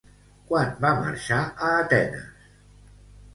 Quan va marxar a Atenes?